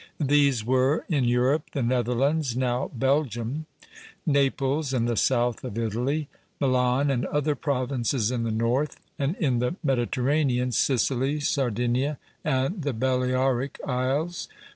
These were, in Europe, the Netherlands (now Belgium); Naples and the south of Italy; Milan and other provinces in the north; and, in the Mediterranean, Sicily, Sardinia, and the Balearic Isles.